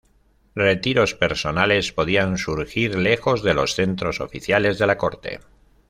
Retiros personales podían surgir lejos de los centros oficiales de la Corte.